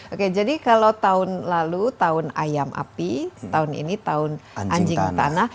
oke jadi kalau tahun lalu tahun ayam api tahun ini tahun anjing tanah